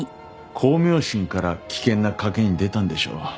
功名心から危険な賭けに出たんでしょう。